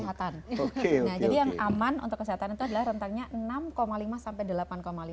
nah jadi yang aman untuk kesehatan itu adalah rentangnya enam lima sampai delapan lima